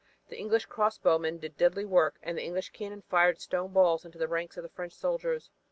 The English crossbowmen did deadly work and the English cannon fired stone balls into the ranks of the French soldiers.